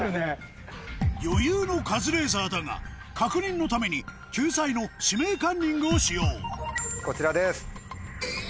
余裕のカズレーザーだが確認のために救済の「指名カンニング」を使用こちらです。